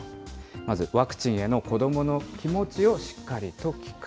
まずワクチンへの子どもの気持ちをしっかりと聞く。